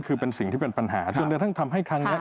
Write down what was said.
คือเป็นสิ่งที่เป็นปัญหาจนกระทั่งทำให้ครั้งนี้